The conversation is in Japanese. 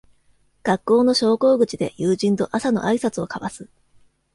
学校の昇降口で友人と朝のあいさつを交わす